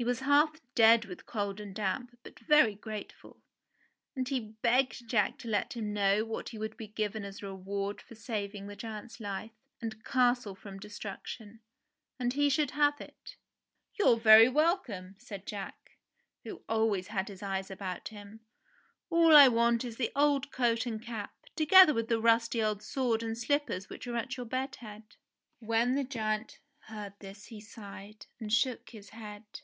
He was half dead with cold and damp, but very grateful ; and he begged Jack to let him know what he would be given as a reward for saving the giant's life and castle from destruction, and he should have it. "You're very welcome," said Jack, who always had his eyes about him. *'A11 I want is the old coat and cap, together 89 90 ENGLISH FAIRY TALES with the rusty old sword and sUppers which are at your bed head." When the giant heard this he sighed, and shook his head.